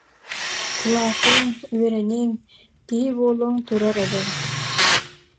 Улаатыаҥ, үөрэниэҥ, киһи буолуоҥ турар эбээт!